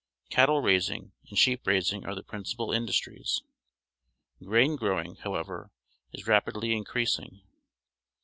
Cattle raising and sheep raising are the principal industries. Grain growing, how ever, is rapidly increasing.